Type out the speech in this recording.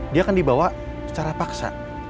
dia akan dibawa secara paksa